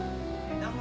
どうも！